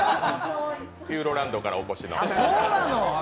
ピューロランドからお越しの。